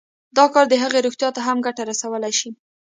دا کار د هغې روغتيا ته هم ګټه رسولی شي